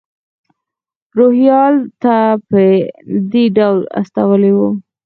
روهیال ته په دې ډول استولی و.